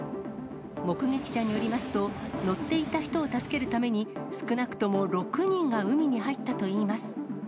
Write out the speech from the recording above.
目撃者によりますと、乗っていた人を助けるために、少なくとも６人が海に入ったといいます。